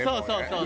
そう。